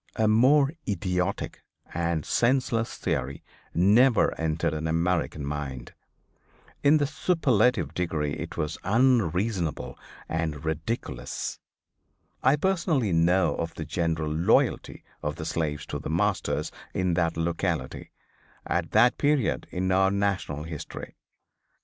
A more idiotic and senseless theory never entered an American mind. In the superlative degree it was unreasonable and ridiculous. I personally know of the general loyalty of the slaves to their masters in that locality, at that period in our national history.